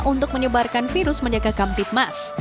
untuk menyebarkan virus menjaga kamtip mas